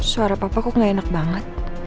suara papa kok gak enak banget